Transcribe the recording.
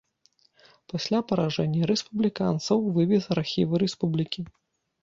Пасля паражэння рэспубліканцаў вывез архівы рэспублікі.